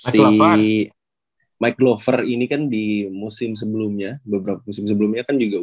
si mike glover ini kan di musim sebelumnya beberapa musim sebelumnya kan juga